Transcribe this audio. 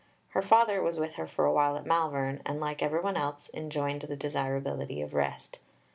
Her father was with her for a while at Malvern, and, like every one else, enjoined the desirability of rest.